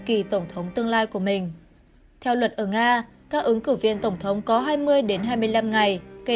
kỳ tổng thống tương lai của mình theo luật ở nga các ứng cử viên tổng thống có hai mươi hai mươi năm ngày kể